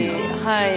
はい。